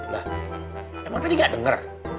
nah emang tadi gak denger